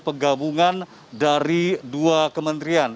penggabungan dari dua kementerian